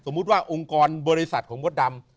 สมมุติว่าองค์กรบริษัทของมดดำ